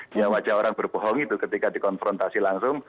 dia wajah orang berbohong itu ketika dikonfrontasi langsung